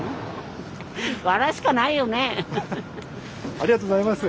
ありがとうございます。